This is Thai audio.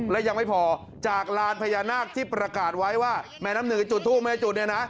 และยังไม่พอจากลานพญานาคที่ประกาศไว้ว่าแม่น้ำหนึ่งจุดทูปแม่จุดเนี่ยนะ